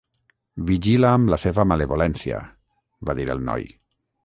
"Vigila amb la seva malevolència" va dir el noi.